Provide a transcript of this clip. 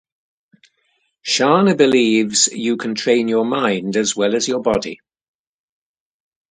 Scharner believes, You can train your mind as well as your body.